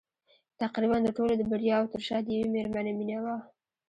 تقريباً د ټولو د برياوو تر شا د يوې مېرمنې مينه وه.